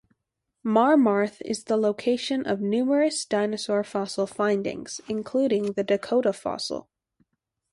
Marmarth is the location of numerous dinosaur fossil findings, including the Dakota fossil.